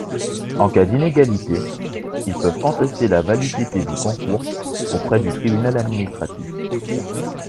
En cas d'inégalité, ils peuvent contester la validité du concours auprès du Tribunal administratif.